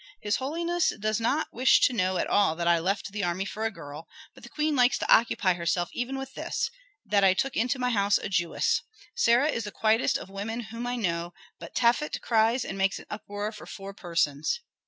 His holiness does not wish to know at all that I left the army for a girl, but the queen likes to occupy herself even with this, that I took into my house a Jewess. Sarah is the quietest of women whom I know; but Tafet cries and makes an uproar for four persons."